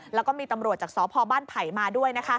แล้วก็มีตำรวจจากสพบ้านไผ่มาด้วย